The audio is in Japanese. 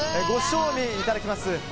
ご賞味いただきます。